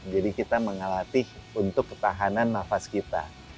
jadi kita mengalati untuk ketahanan nafas kita